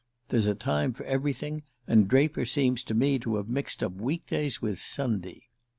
There's a time for everything; and Draper seems to me to have mixed up week days with Sunday."